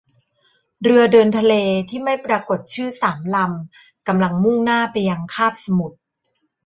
เรือเดินทะเลที่ไม่ปรากฏชื่อสามลำกำลังมุ่งหน้าไปยังคาบสมุทร